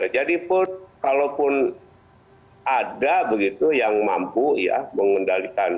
jadi pun kalaupun ada begitu yang mampu ya mengendalikan